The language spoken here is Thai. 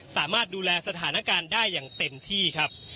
สามารถดูแลสถานการณ์ได้อย่างเต็มที่ครับ